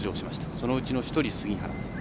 そのうちの１人、杉原。